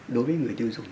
đối với người dân dùng